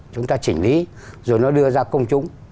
chúng ta chỉnh lý rồi nó đưa ra công chúng